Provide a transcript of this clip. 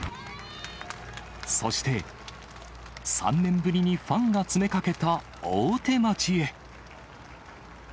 そして、３年ぶりにファンが詰めかけた大手町へ。